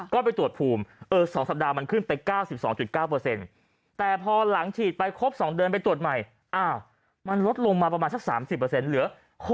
ก็ไปตรวจภูมิ๒สัปดาห์มันขึ้นไป๙๒๙แต่พอหลังฉีดไปครบ๒เดือนไปตรวจใหม่มันลดลงมาประมาณสัก๓๐เหลือ